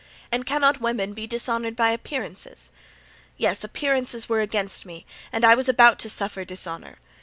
and cannot women be dishonored by appearances? Yes, appearances were against me and I was about to suffer dishonor.